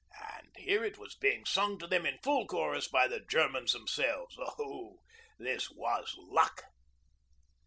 And here it was being sung to them in full chorus by the Germans themselves. Oh, this was luck.